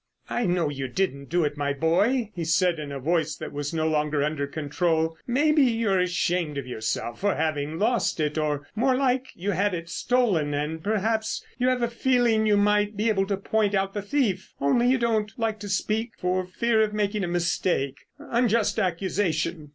"I know you didn't do it, my boy," he said in a voice that was no longer under control. "Maybe, you're ashamed of yourself for having lost it; or, more like, you had it stolen, and perhaps you have a feeling you might be able to point out the thief, only you don't like to speak for fear of making a mistake.... Unjust accusation...."